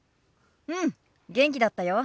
うん元気だったよ。